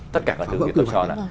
tất cả các thứ tôi cho là